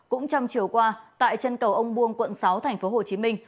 cũng trong chiều qua tại chân cầu ông buông quận sáu thành phố hồ chí minh